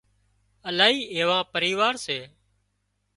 الاهي ايوا پريوار سي